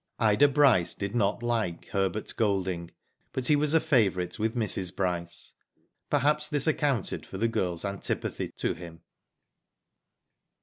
Ida Bryce did not like Herbert Golding, but he was a favourite with Mrs. Bryce. Perhaps this accounted for the girl's antipathy to him.